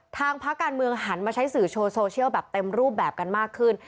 ทางภาคการเมืองหันมาใช้สื่อโชว์โซเชียลแบบเต็มรูปแบบกันมากขึ้น